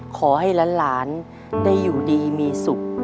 ขอให้หลานได้อยู่ดีมีสุข